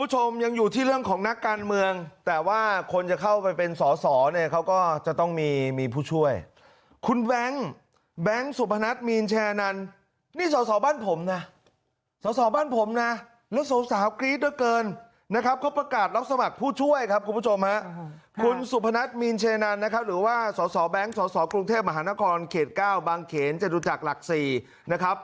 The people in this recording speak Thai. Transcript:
หานครเขต๙บางเขนจะรู้จักหลัก๔นะครับ